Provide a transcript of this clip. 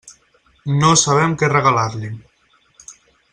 No sabem què regalar-li.